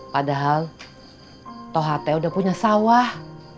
padahal tohate sudah punya sawah